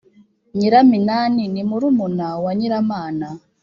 nyiraminani ni murumuna wa nyiramana.